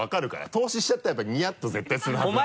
透視しちゃったらやっぱニヤッと絶対するはずだもん。